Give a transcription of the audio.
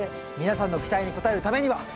皆さんの期待に応えるためには。